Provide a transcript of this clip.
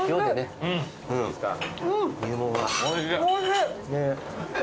おいしい。